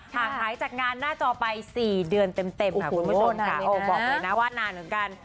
ห่างหายจากงานหน้าจอไป๔เดือนเต็มค่ะบอกเลยนะว่านานเหมือนกัน